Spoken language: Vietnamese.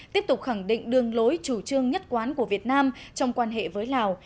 tiếp tục khẳng định đường lối chủ trương nhất quán của việt nam trong quan hệ với lào